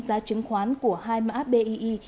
giá chứng khoán của hai mã bii